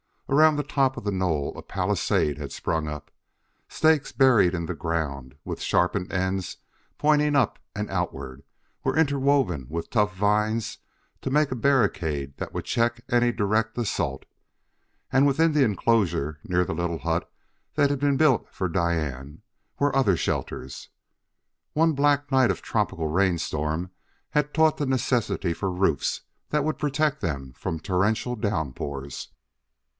Around the top of the knoll a palisade had sprung up. Stakes buried in the ground, with sharpened ends pointing up and outward, were interwoven with tough vines to make a barricade that would check any direct assault. And, within the enclosure, near the little hut that had been built for Diane, were other shelters. One black night of tropic rainstorm had taught the necessity for roofs that would protect them from torrential downpours.